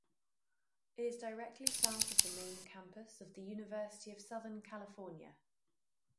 It is directly south of the main campus of the University of Southern California.